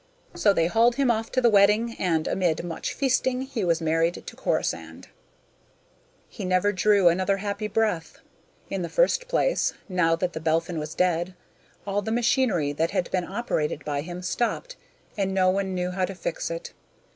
So they hauled him off to the wedding and, amid much feasting, he was married to Corisande. He never drew another happy breath. In the first place, now that The Belphin was dead, all the machinery that had been operated by him stopped and no one knew how to fix it.